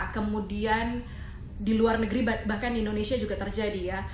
kemudian di luar negeri bahkan di indonesia juga terjadi ya